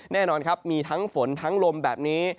แน่นอนครับมีทั้งฝนทั้งลมแบบนี้